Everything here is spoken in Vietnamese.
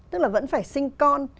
tức là vẫn phải sinh con